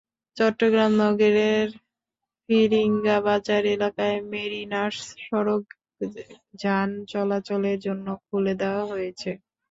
চট্টগ্রাম নগরের ফিরিঙ্গিবাজার এলাকায় মেরিনার্স সড়ক যান চলাচলের জন্য খুলে দেওয়া হয়েছে।